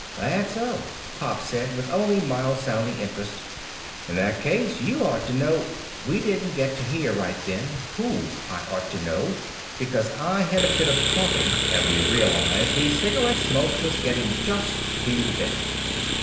"That so?" Pop said with only mild sounding interest. "In that case you ought to know " We didn't get to hear right then who I ought to know because I had a fit of coughing and we realized the cigarette smoke was getting just too thick.